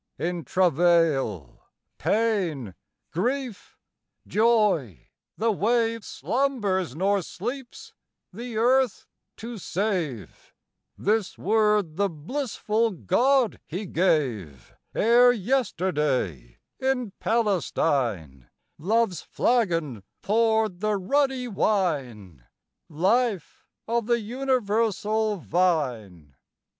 IV. In travail, pain, grief, joy, the wave Slumbers nor sleeps the earth to save This word the blissful God He gave, Ere yesterday in Palestine Love's flagon poured the ruddy wine, Life of the universal Vine.